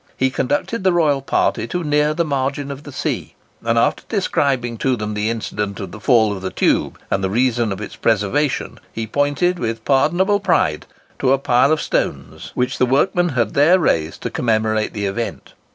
He conducted the Royal party to near the margin of the sea, and, after describing to them the incident of the fall of the tube, and the reason of its preservation, he pointed with pardonable pride to a pile of stones which the workmen had there raised to commemorate the event.